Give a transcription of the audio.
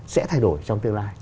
sẽ thay đổi trong tương lai